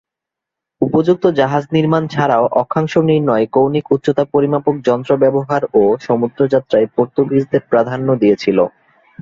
উপযুক্ত জাহাজ নির্মান ছাড়াও অক্ষাংশ নির্ণয়ে কৌণিক উচ্চতা পরিমাপক যন্ত্র ব্যবহারও সমুদ্রযাত্রায় পর্তুগিজদের প্রাধান্য দিয়েছিল।